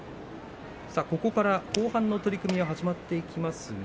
ここから後半の取組が始まっていきます。